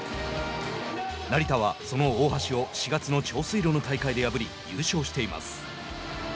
成田はその大橋を４月の長水路の大会で破り優勝しています。